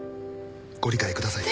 ご理解ください。